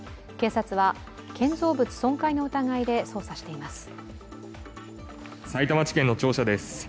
警察は建造物損壊の疑いで捜査しています。